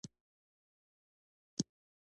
افغانستان ډير لرغونی تاریخ لري